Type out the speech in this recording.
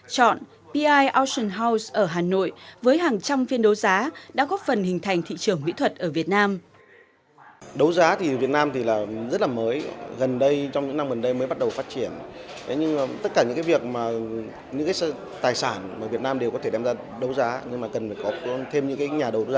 chọn pi ocean house ở hà nội với hàng trăm phiên đấu giá đã góp phần hình thành